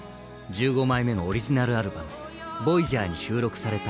１５枚目のオリジナルアルバム「ＶＯＹＡＧＥＲ」に収録された名曲です。